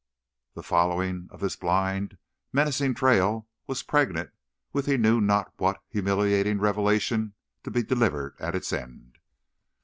The following of this blind, menacing trail was pregnant with he knew not what humiliating revelation to be delivered at its end.